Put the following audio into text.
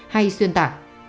hay xuyên tả